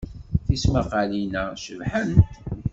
Tismaqqalin-a cebḥent.